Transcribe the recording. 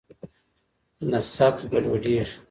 نسب ګډوډېږي.